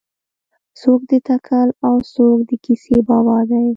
څوک د تکل او څوک د کیسې بابا دی.